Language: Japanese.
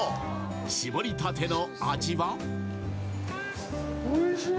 搾りたての味は？